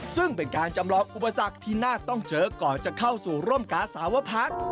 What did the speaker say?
ซึ่งเป็นการจำลองอุปสรรคที่น่าต้องเจอก่อนจะเข้าสู่ร่มกาสาวพัฒน์